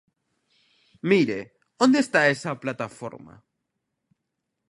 Mire, ¿onde está esa plataforma?